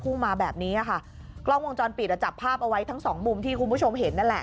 มาแบบนี้อ่ะค่ะกล้องวงจรปิดอ่ะจับภาพเอาไว้ทั้งสองมุมที่คุณผู้ชมเห็นนั่นแหละ